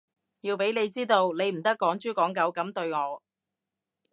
要畀你知道，你唔得趕豬趕狗噉對我